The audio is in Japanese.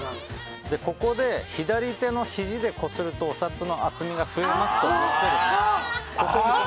ここで、左手のひじでこするとお札の厚みが増えますといってここを。